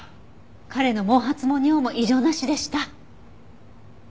彼の毛髪も尿も異常なしでした。